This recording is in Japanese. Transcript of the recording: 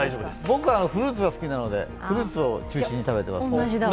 僕はフルーツが好きなので、フルーツを中心に食べてます。